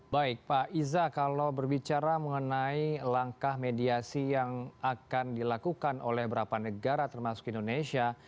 baik pak iza kalau berbicara mengenai langkah mediasi yang akan dilakukan oleh berapa negara termasuk indonesia